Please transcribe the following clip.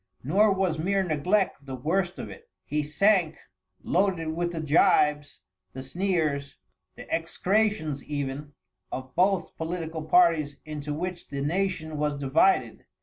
Nor was mere neglect the worst of it. He sank, loaded with the jibes, the sneers, the execrations even, of both political parties into which the nation was divided.